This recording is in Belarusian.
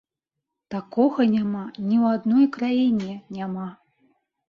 Такога няма ні ў адной краіне няма.